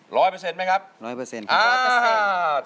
ร้อยเปอร์เซ็นต์ไหมครับร้อยเปอร์เซ็นต์ร้อยเปอร์เซ็นต์